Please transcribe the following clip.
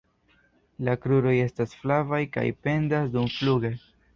La kruroj estas flavaj kaj pendas dumfluge.